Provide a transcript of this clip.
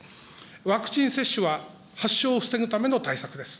ワクチン接種は、発症を防ぐための対策です。